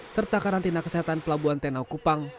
serta karantina kesehatan pelabuhan tenau kupang